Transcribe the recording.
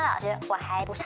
はい。